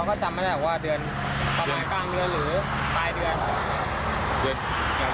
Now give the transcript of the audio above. ก็จำไม่ได้ว่าเดือนประมาณกลางเดือนหรือปลายเดือน